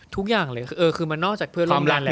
ทุกอย่างเลยคือมันนอกจากเพื่อนล้อมรันแล้ว